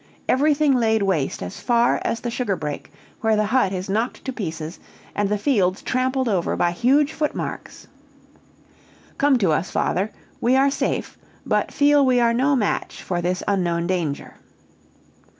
Everything laid waste as far as the sugar brake, where the hut is knocked to pieces, and the fields trampled over by huge footmarks. Come to us, father we are safe, but feel we are no match for this unknown danger."